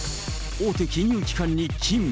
大手金融機関に勤務。